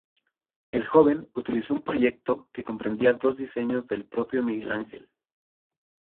El Joven utilizó un proyecto que comprendía dos diseños del propio Miguel Ángel.